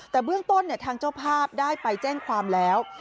แต่เบื้องต้นทางเจ้าภาพได้ไปแจ้งความแล้ว